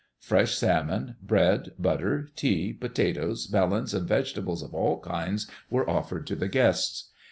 Fresh salmon, bread, butter, tea, potatoes, melons, and vegetables of all kinds were offered to the guests.